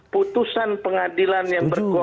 putusan pengadilan yang berkuasa